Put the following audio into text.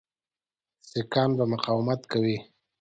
سیکهان به مقاومت کوي.